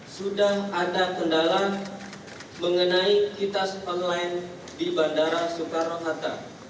sudah ada kendala mengenai kitas online di bandara soekarno hatta